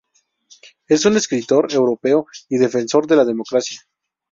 Es un escritor europeo y defensor de la democracia.